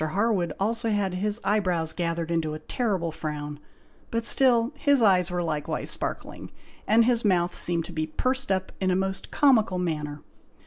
Harwood also had his eye brows gathered into a terrible frown, but still his eyes were likewise sparkling, and his mouth seemed to be pursed up in a most comical manner.